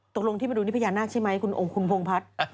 ตกลงที่มาดูนี่พญานาคใช่ไหมคุณพงพัฒน์